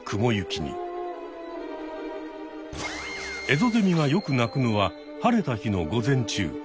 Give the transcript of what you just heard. エゾゼミがよく鳴くのは晴れた日の午前中。